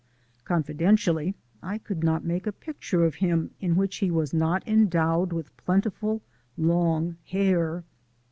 (Confidentially, I could not make a picture of him in which he was not endowed with plentiful long hair).